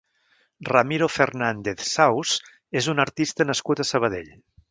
Ramiro Fernández Saus és un artista nascut a Sabadell.